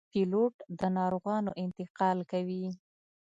پیلوټ د ناروغانو انتقال کوي.